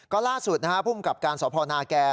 ก็ล่าสุดผู้มีกับการสอบพนาแก่